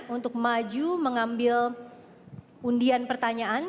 untuk maju mengambil undian pertanyaan